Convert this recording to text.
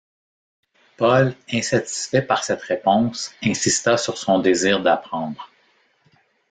Paul, insatisfait par cette réponse, insista sur son désir d'apprendre.